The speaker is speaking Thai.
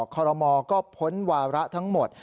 คอรมอก็พ้นวาระทั้งหมด